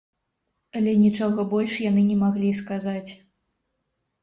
Але нічога больш яны не маглі сказаць.